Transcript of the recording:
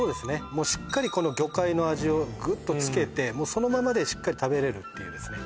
もうしっかりこの魚介の味をグッとつけてもうそのままでしっかり食べれるっていうですね